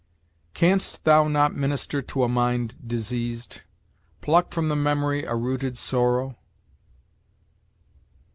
"Canst thou not minister to a mind diseased Pluck from the memory a rooted sorrow?"